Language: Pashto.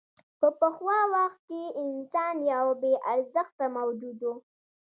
په پخوا وخت کې انسان یو بېارزښته موجود و.